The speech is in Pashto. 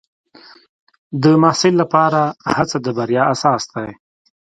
د محصل لپاره هڅه د بریا اساس دی.